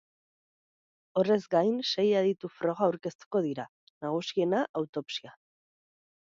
Horrez gain sei aditu-froga aurkeztuko dira, nagusiena, autopsia.